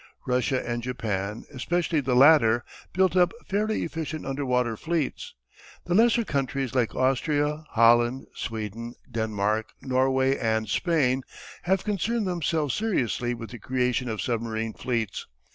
Russia and Japan, especially the latter, built up fairly efficient underwater fleets. The lesser countries, like Austria, Holland, Sweden, Denmark, Norway, and Spain have concerned themselves seriously with the creation of submarine fleets.